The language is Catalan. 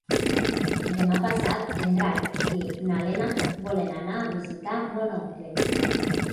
Demà passat en Drac i na Lena volen anar a visitar mon oncle.